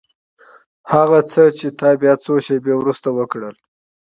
هغه څه چې تا بيا څو شېبې وروسته وکړل.